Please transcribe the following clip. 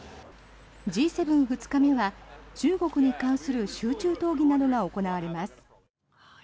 Ｇ７、２日目は中国に関する集中討議などが行われます。